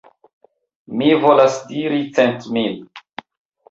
Mi volas diri cent mil.